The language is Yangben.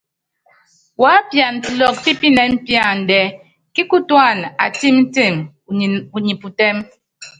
Wuápiana pilɔkɔ pípinɛm píándɛ, kíkutúana: Atɛ́mtɛm, unyi putɛ́m.